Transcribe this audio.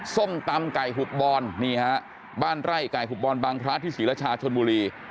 ส้มตำไก่หุบบอลนี่ฮะบ้านไร่ไก่หุบบอลบางพระที่ศรีรชาชนบุรี